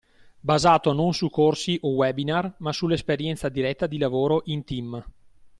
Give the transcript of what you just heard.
Basato non su corsi o webinar ma sull’esperienza diretta di lavoro in team.